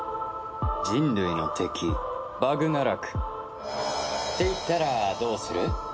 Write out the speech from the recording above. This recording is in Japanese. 人類の敵バグナラクって言ったらどうする？